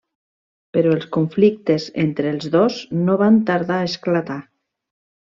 Però els conflictes entre els dos no van tardar a esclatar.